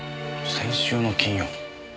先週の金曜？